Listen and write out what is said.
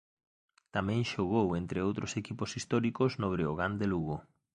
Tamén xogou entre outros equipos históricos no Breogán de Lugo.